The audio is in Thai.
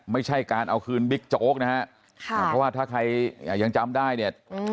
ไม่ใช่การเอาคืนบิ๊กโจ๊กนะฮะเพราะว่าถ้าใครยังจำได้เนี่ย